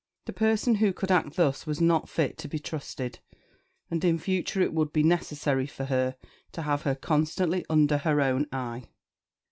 The person who could act thus was not fit to be trusted, and in future it would be necessary for her to have her constantly under her own eye.